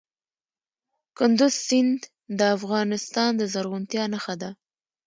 کندز سیند د افغانستان د زرغونتیا نښه ده.